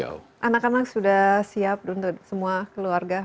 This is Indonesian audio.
anak anak sudah siap untuk semua keluarga